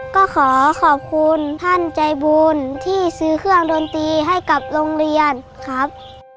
ก็ขอขอบคุณท่านใจบุญที่ซื้อเครื่องดนตรีให้กับโรงเรียนครับ